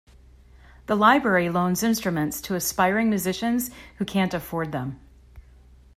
The Library loans instruments to aspiring musicians who can't afford them.